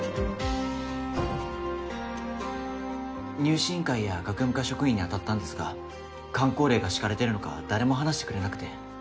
入試委員会や学務課職員に当たったんですが箝口令が敷かれているのか誰も話してくれなくて。